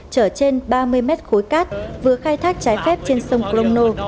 trở trên ba mươi mét khối cát vừa khai thác cháy phép trên sông crono